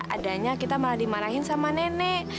adanya kita malah dimarahin sama nenek